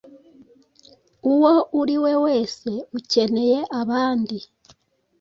Uwo uri we wese ukeneye abandi.